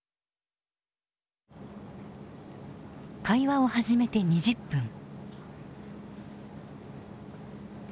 会話を始めて２０分。